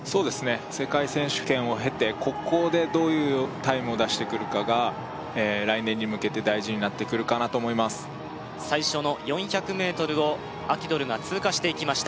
世界選手権をへてここでどういうタイムを出してくるかが来年に向けて大事になってくるかなと思います最初の４００ｍをアキドルが通過していきました